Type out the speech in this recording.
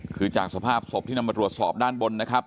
คือจากสภาพศพที่นำมาตรวจสอบด้านบนนะครับ